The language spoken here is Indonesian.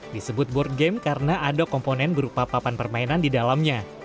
disebut board game karena ada komponen berupa papan permainan di dalamnya